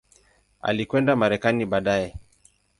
Alikwenda Marekani baadaye.